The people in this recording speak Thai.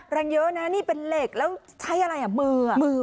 แรงเยอะนะนี่เป็นเหล็กแล้วใช้อะไรอ่ะมืออ่ะมือ